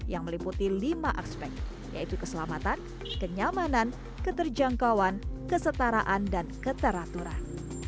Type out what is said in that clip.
yang meliputi lima aspek yaitu keselamatan kenyamanan keterjangkauan kesetaraan dan keteraturan